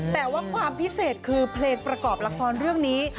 แต่ว่าความพิเศษคือเพลงประกอบละครเรื่องนี้